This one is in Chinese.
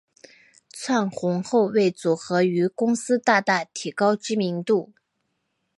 窜红后为组合与公司大大提高知名度。